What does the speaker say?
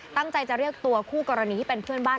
ตั้งใจจะเรียกตัวคู่กรณีที่เป็นเพื่อนบ้าน